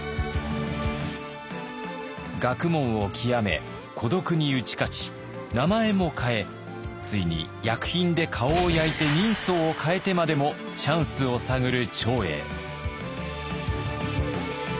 学問を究め孤独に打ち勝ち名前も変えついに薬品で顔を焼いて人相を変えてまでもチャンスを探る長英。